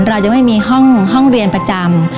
เราจะไม่มีห้องเรียนประจำ